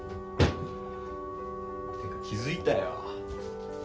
てか気付いたよ。